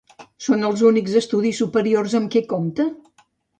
Són els únics estudis superiors amb què compta?